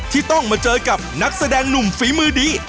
ที่ต้องมาเจอกับนักแสดงหนุ่มฝีมือดี